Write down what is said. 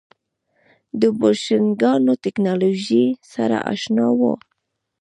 د بوشنګانو ټکنالوژۍ سره اشنا وو.